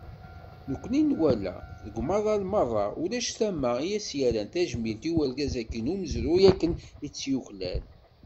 Nekkni nwala, deg umaḍal meṛṛa, ulac tama i as-yerran tajmilt i urgaz-agi n umezruy akken i tt-yuklal.